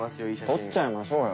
撮っちゃいましょうよ。